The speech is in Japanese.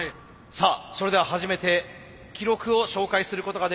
さあそれでは初めて記録を紹介することができます。